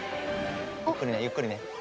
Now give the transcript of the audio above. ゆっくりねゆっくりね。